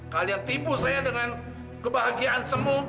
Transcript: kalian tipu saya dengan kebahagiaan semu